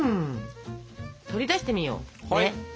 取り出してみよう。